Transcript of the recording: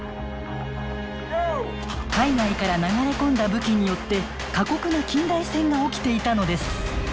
海外から流れ込んだ武器によって過酷な近代戦が起きていたのです。